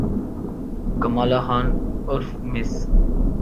کمالہ خان عرف مس